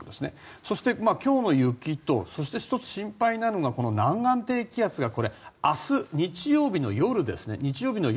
そして、今日の雪と１つ心配なのがこの南岸低気圧が明日日曜日の夜ですね